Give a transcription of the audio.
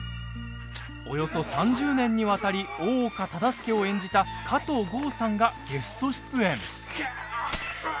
およそ３０年にわたり大岡忠相を演じた加藤剛さんがゲスト出演。